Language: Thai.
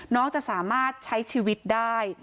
จะสามารถใช้ชีวิตได้